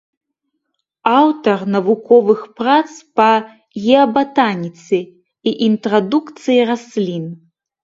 Аўтар навуковых прац па геабатаніцы і інтрадукцыі раслін.